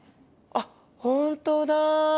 あっ本当だ！